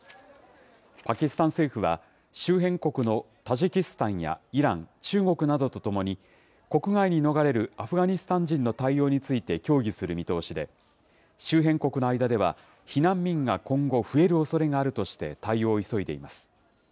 パキスタン政府は、周辺国のタジキスタンやイラン、中国などと共に、国外に逃れるアフガニスタン人の対応について協議する見通しで、周辺国の間では、避難民が今後、増えるおそれがあるとして、対応を急いでいます。